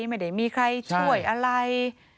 ไม่ได้มีใครช่วยอะไร